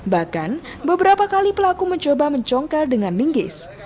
bahkan beberapa kali pelaku mencoba mencongkel dengan linggis